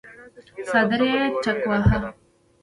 څادر يې ټکواهه.